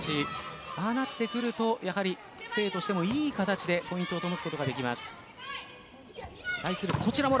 ああなってくると誠英としてもいい形でポイントを灯すことができます。